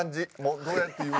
どうやって言うんやろ？